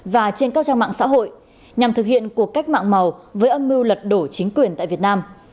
và trên các trang mạng xã hội nhằm thực hiện cuộc cách mạng màu với âm mưu lật đổ chính quyền tại việt nam